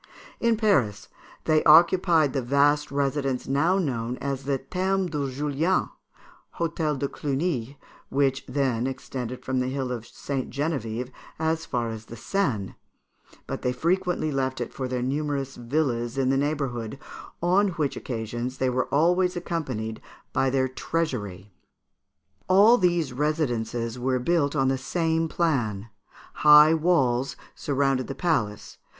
In Paris, they occupied the vast residence now known as the Thermes de Julien (Hôtel de Cluny), which then extended from the hill of St. Geneviève as far as the Seine; but they frequently left it for their numerous villas in the neighbourhood, on which occasions they were always accompanied by their treasury. All these residences were built on the same plan. High walls surrounded the palace.